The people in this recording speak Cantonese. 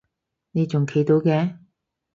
你仲企到嘅？